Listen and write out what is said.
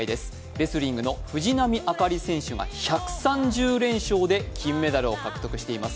レスリングの藤波朱理選手が１３０連勝で金メダルを獲得しています。